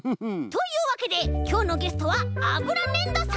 というわけできょうのゲストはあぶらねんどさんでした！